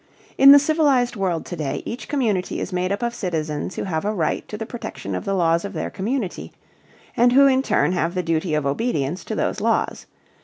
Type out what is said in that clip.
In the civilized world to day each community is made up of citizens who have a right to the protection of the laws of their community and who in turn have the duty of obedience to those laws.